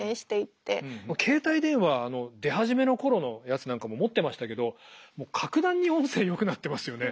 携帯電話出始めの頃のやつなんかも持ってましたけどもう格段に音声よくなってますよね。